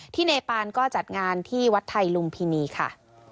เนปานก็จัดงานที่วัดไทยลุมพินีค่ะ